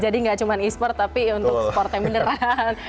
jadi enggak cuma esports tapi untuk sport yang beneran